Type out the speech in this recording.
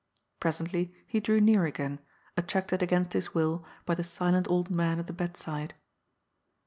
Presently he drew near again, at tracted against his will by the silent old man at the bedside.